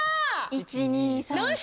１２３４。